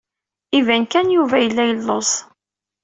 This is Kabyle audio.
Iban kan Yuba yella yelluẓ.